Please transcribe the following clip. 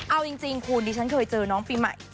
เอาจริงคุณดิฉันเคยเจอน้องปีใหม่